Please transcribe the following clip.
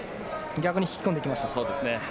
逆に引き込んでいきました。